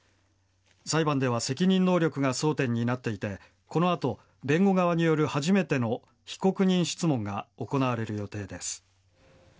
裁判では責任能力が争点になっていてこの後弁護側による初めての被告人質問が行われる予定です。